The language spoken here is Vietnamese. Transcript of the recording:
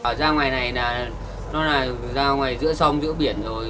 ở ra ngoài này là nó là ra ngoài giữa sông giữa biển rồi